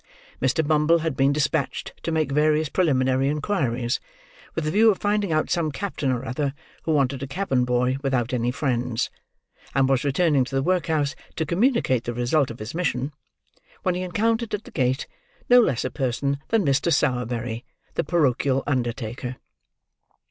Mr. Bumble had been despatched to make various preliminary inquiries, with the view of finding out some captain or other who wanted a cabin boy without any friends; and was returning to the workhouse to communicate the result of his mission; when he encountered at the gate, no less a person than Mr. Sowerberry, the parochial undertaker.